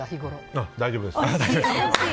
あ、大丈夫です。